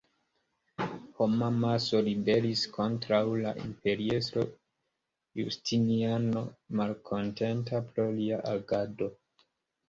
Homamaso ribelis kontraŭ la imperiestro Justiniano, malkontenta pro lia agado.